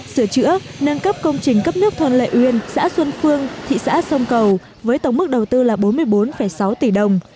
sửa chữa nâng cấp công trình cấp nước thôn lệ uyên xã xuân phương thị xã sông cầu với tổng mức đầu tư là bốn mươi bốn sáu tỷ đồng